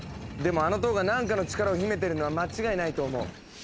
でもあの塔が何かの力を秘めてるのは間違いないと思う。